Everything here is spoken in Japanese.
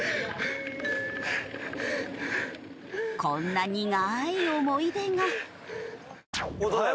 こんな苦い思い出が。